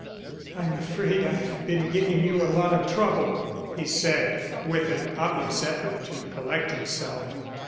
"I'm afraid I've been giving you a lot of trouble," he said, with an obvious effort to collect himself.